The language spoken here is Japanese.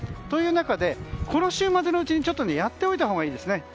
という中で、この週末のうちにやっておいたほうがいいですね。